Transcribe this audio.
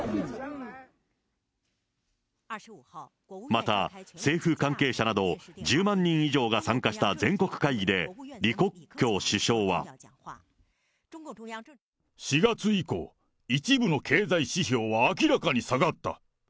また、政府関係者など、１０万人以上が参加した全国会議で、４月以降、一部の経済指標は明らかに下がった。